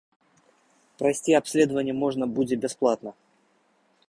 Прайсці абследаванне можна будзе бясплатна.